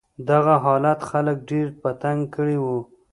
دغه حالت خلک ډېر په تنګ کړي و.